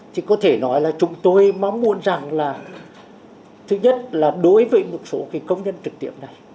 thì có thể nói là chúng tôi mong muốn rằng là thứ nhất là đối với một số công nhân trực tiếp này